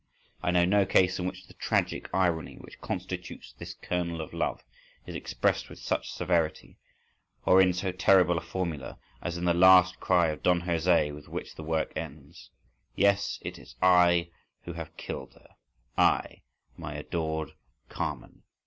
—I know no case in which the tragic irony, which constitutes the kernel of love, is expressed with such severity, or in so terrible a formula, as in the last cry of Don José with which the work ends: "Yes, it is I who have killed her, I—my adored Carmen!"